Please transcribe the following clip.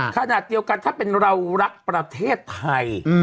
ขณะเดียวกันถ้าเป็นเรารักประเทศไทย